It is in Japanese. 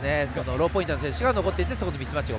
ローポインターの選手が残っていてミスマッチ